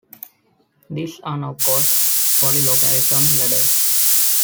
These are now called polylogarithm ladders.